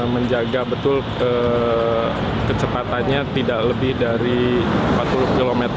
menjaga betul kecepatannya tidak lebih dari empat puluh km